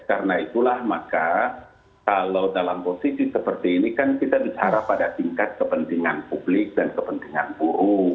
karena itulah maka kalau dalam posisi seperti ini kan kita bicara pada tingkat kepentingan publik dan kepentingan buruh